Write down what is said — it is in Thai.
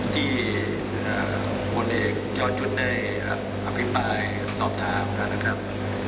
ที่บนเอกยอดจุดในอภิปรายสอบถามนะครับ